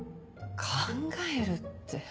考えるって。